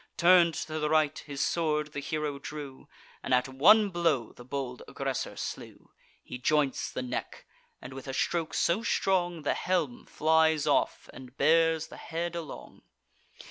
Turn'd to the right, his sword the hero drew, And at one blow the bold aggressor slew. He joints the neck; and, with a stroke so strong, The helm flies off, and bears the head along.